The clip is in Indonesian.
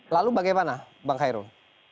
lalu bagaimana bang kairul